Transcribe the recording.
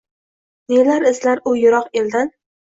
Nelar izlar u yiroq eldan